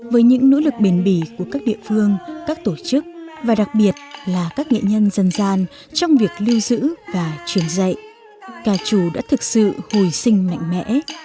với những nỗ lực bền bỉ của các địa phương các tổ chức và đặc biệt là các nghệ nhân dân gian trong việc lưu giữ và truyền dạy ca trù đã thực sự hồi sinh mạnh mẽ